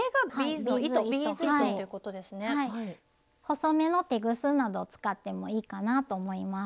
細めのテグスなどを使ってもいいかなと思います。